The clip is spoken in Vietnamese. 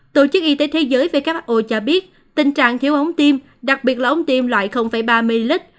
tổ chức y tế thế giới who cho biết tình trạng thiếu ống tiêm đặc biệt là ống tiêm loại ba ml